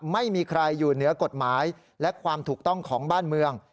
ไม่มีใครอยู่เหนือกฎหมายและความถูกต้องของบ้านเมือง